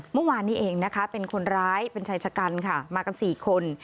เมื่อวานนี้เองนะคะเป็นคนร้ายเป็นชายชะกันค่ะมากัน๔คน